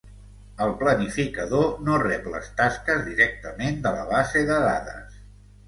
El planificador no rep les tasques directament de la base de dades.